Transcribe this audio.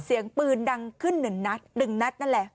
เสียงปืนดังขึ้นหนึ่งนัดหนึ่งนัดนั่นแหละ